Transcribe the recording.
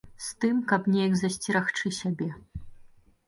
З тым, каб неяк засцерагчы сябе.